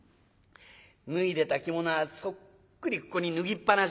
脱いでた着物はそっくりここに脱ぎっぱなし。